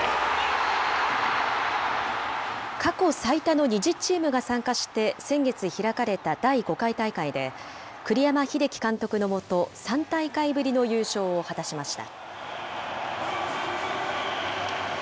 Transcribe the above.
過去最多の２０チームが参加して先月開かれた第５回大会で、栗山英樹監督の下、３大会ぶりの優勝を果たしました。